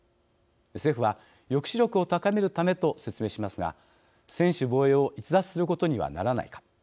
政府は、抑止力を高めるためと説明しますが、専守防衛を逸脱することにはならないか。